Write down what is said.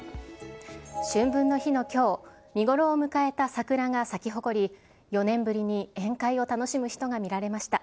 春分の日のきょう、見頃を迎えた桜が咲き誇り、４年ぶりに宴会を楽しむ人が見られました。